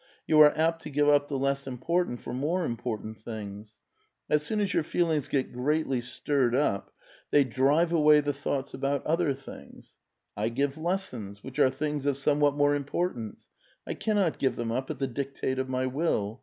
You are apt to give np the less important for more important things. As soon as your feelings get greatly stirred up, they drive away the thoughts about other things. I give lessons, which are things of somewhat more importance ; I cannot give them up at the dictate of my will.